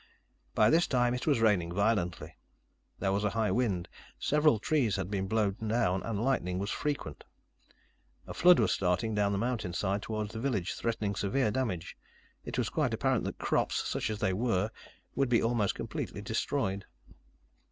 By this time, it was raining violently. There was a high wind. Several trees had been blown down and lightning was frequent. A flood was starting down the mountainside toward the village, threatening severe damage. It was quite apparent that crops, such as they were, would be almost completely destroyed.